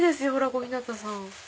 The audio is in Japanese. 小日向さん。